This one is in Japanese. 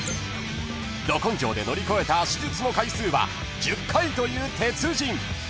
［ど根性で乗り越えた手術の回数は１０回という鉄人］